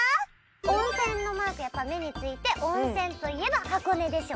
温泉のマークやっぱ目に付いて温泉といえば箱根でしょ。